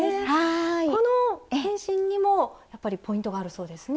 この変身にもやっぱりポイントがあるそうですね。